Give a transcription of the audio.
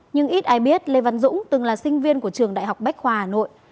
nhưng ít ai biết lê văn dũng từng là sinh viên của trường đại học bách khoa hà nội